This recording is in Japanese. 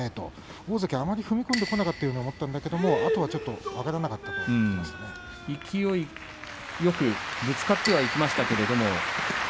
大関あまり踏み込んでこないと思ったんですがあとはちょっと勢いよくぶつかっていきましたけれどもね。